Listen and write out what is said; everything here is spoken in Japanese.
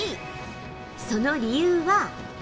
その理由は。